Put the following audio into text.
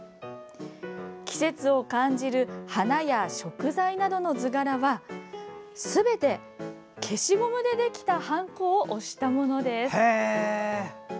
季節を感じる花や食材などの図柄はすべて消しゴムでできたはんこを押したものです。